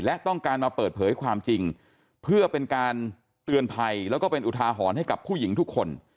และต้องการมาเปิดเผยความจริงเพื่อเป็นการเตือนภัยแล้วก็เป็นอุทาหรณ์ให้กับผู้หญิงทุกคน